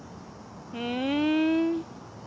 ふん。